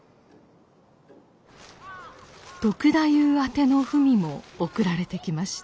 篤太夫宛ての文も送られてきました。